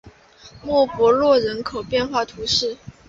蒙博洛人口变化图示